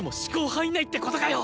範囲内って事かよ！？